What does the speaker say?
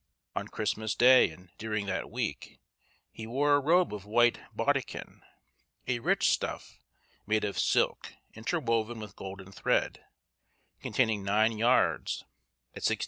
On Christmas Day, and during that week, he wore a robe of white baudekyn (a rich stuff, made of silk, interwoven with golden thread), containing nine yards, at 16_s.